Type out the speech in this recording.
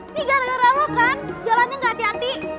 ini gara gara lo kan jalannya gak hati hati